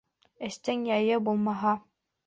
Эштең яйы булмаһа